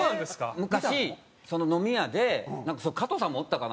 昔飲み屋で加藤さんもおったかな？